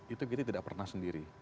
itu kita tidak pernah sendiri